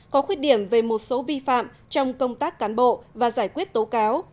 có khuyết điểm về một số vi phạm trong công tác cán bộ và giải quyết tố cáo